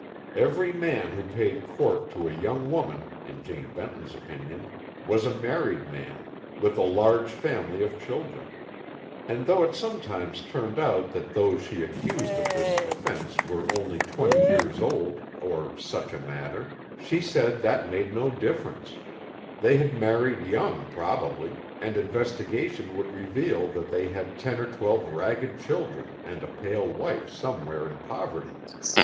Every man who paid court to a young woman, in Jane Benton's opinion, was a married man, with a large family of children; and though it sometimes turned out that those she accused of this offence were only twenty years old, or such a matter, she said that made no difference; they had married young, probably, and investigation would reveal that they had ten or twelve ragged children and a pale wife somewhere in poverty.